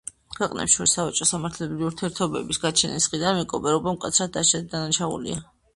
ქვეყნებს შორის სავაჭრო და სამართლებრივი ურთიერთობების გაჩენის დღიდან, მეკობრეობა მკაცრად დასჯადი დანაშაულია.